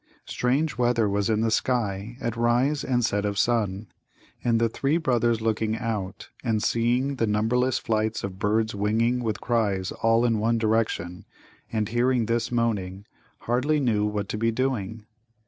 Strange weather was in the sky at rise and set of sun. And the three brothers, looking out, and seeing the numberless flights of birds winging with cries all in one direction, and hearing this moaning, hardly knew what to be doing.